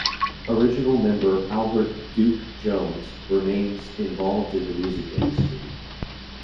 Original member Albert "Duke" Jones remains involved in the music industry.